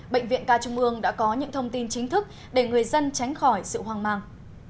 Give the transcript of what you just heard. bệnh viện ca trung ương đã có những thông tin chính thức để người dân tránh khỏi sự hoang mang